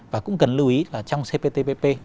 và cũng cần lưu ý là trong cptpp